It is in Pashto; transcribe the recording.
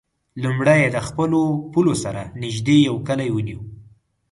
لومړی یې د خپلو پولو سره نژدې یو کلی ونیو.